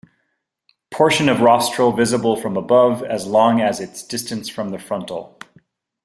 Portion of rostral visible from above as long as its distance from the frontal.